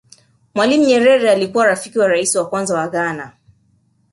mwalimu nyerere alikuwa rafiki wa rais wa kwanza wa ghana